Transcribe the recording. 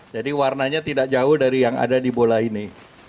jadi warnanya tidak jauh dari yang ada di bola ini